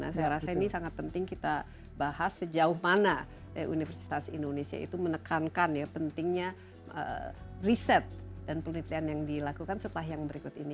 saya rasa ini sangat penting kita bahas sejauh mana universitas indonesia itu menekankan ya pentingnya riset dan penelitian yang dilakukan setelah yang berikut ini